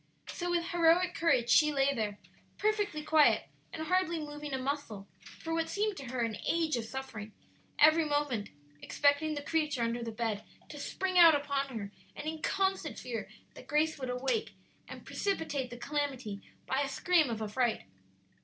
So with heroic courage she lay there, perfectly quiet and hardly moving a muscle for what seemed to her an age of suffering, every moment expecting the creature under the bed to spring out upon her, and in constant fear that Grace would awake and precipitate the calamity by a scream of affright.